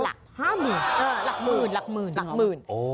หลักหมื่น